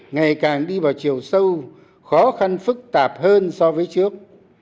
ngày càng đi vào chiều sâu khó khăn phức tạp hơn so với trước